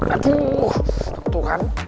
aduh tentu kan